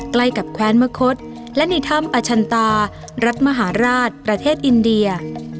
ใกล้กับแคว้นมะคดและในถ้ำอชันตารัฐมหาราชประเทศอินเดีย